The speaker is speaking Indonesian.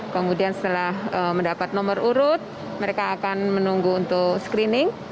kemudian setelah mendapat nomor urut mereka akan menunggu untuk screening